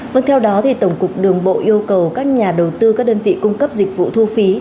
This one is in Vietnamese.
vâng theo đó tổng cục đường bộ yêu cầu các nhà đầu tư các đơn vị cung cấp dịch vụ thu phí